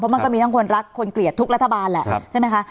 มันก็มีทั้งคนรักคนเกลียดทุกรัฐบาลแหละใช่ไหมคะ